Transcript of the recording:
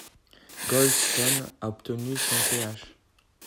Goldston a obtenu son Ph.